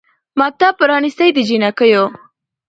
مکتب پرانیستی د جینکیو